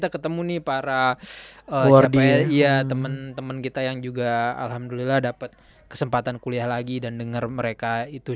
tapi masih ada satu